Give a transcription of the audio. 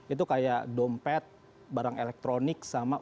itu kayak dompet barang elektronik sama uang